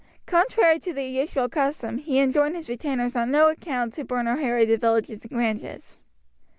Contrary to the usual custom, he enjoined his retainers on no account to burn or harry the villages and granges.